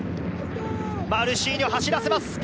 マルシーニョ、走らせます。